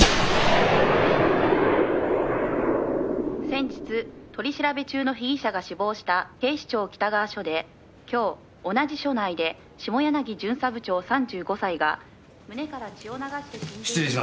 「先日取り調べ中の被疑者が死亡した警視庁北川署で今日同じ署内で下柳巡査部長３５歳が胸から血を流して死んでいるのを」